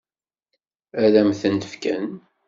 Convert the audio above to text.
Ad m-ten-fken?